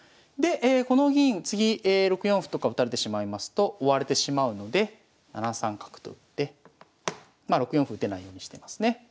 でこの銀次６四歩とか打たれてしまいますと追われてしまうので７三角と打って６四歩打てないようにしてますね。